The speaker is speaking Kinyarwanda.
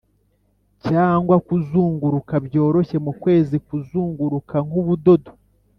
cyangwa kuzunguruka byoroshye mukwezi kuzunguruka nkubudodo